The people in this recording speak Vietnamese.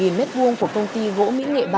hơn một mét vuông của công ty vỗ mỹ nghệ ba